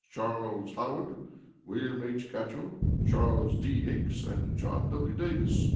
Charles Howard, William H. Gatchell, Charles D. Hinks, and John W. Davis."